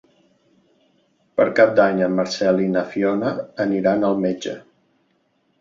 Per Cap d'Any en Marcel i na Fiona aniran al metge.